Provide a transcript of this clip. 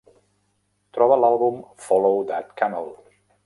Troba l'àlbum Follow That Camel